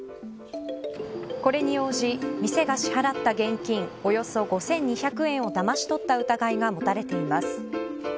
これに応じ、店が支払った現金およそ５２００円をだまし取った疑いが持たれています。